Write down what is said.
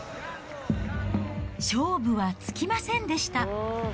勝負はつきませんでした。